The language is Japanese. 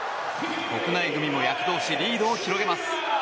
国内組も躍動しリードを広げます。